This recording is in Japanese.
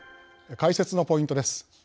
解説のポイントです。